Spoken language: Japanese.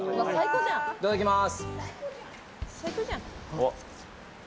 いただきます。